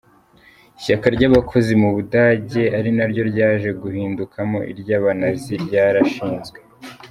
Ishyaka ry’abakozi mu Budage ari naryo ryaje guhindukamo iry’abanazi ryarashinzwe.